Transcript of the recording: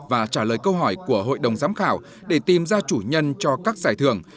và trả lời câu hỏi của hội đồng giám khảo để tìm ra chủ nhân cho các giải thưởng